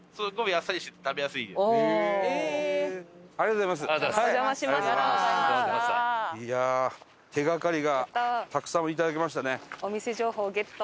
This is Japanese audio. いやあ手がかりがたくさんいただきましたね。